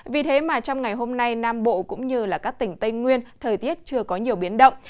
vì thế mà trong ngày hôm nay nam bộ cũng như các tỉnh tây nguyên thời tiết chưa có nhiều biến động